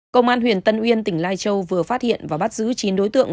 công an huyện tân uyên tỉnh lai châu vừa phát hiện và bắt giữ chín đối tượng